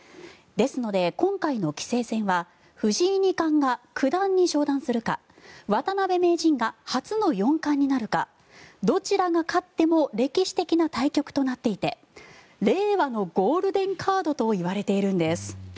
ですので今回の棋聖戦は藤井二冠が九段に昇段するか渡辺名人が初の四冠になるかどちらが勝っても歴史的な対局となっていて令和のゴールデンカードといわれているんです。